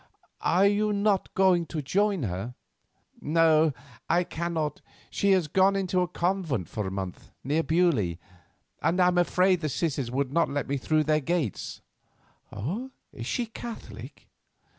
"Are you not going to join her?" "No, I cannot; she has gone into a convent for a month, near Beaulieu, and I am afraid the Sisters would not let me through their gates." "Is she a Catholic?"